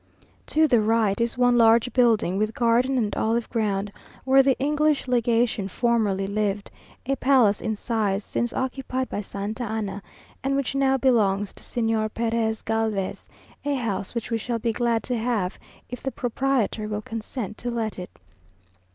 To the right is one large building, with garden and olive ground, where the English legation formerly lived, a palace in size, since occupied by Santa Anna, and which now belongs to Señor Perez Galvez; a house which we shall be glad to have, if the proprietor will consent to let it.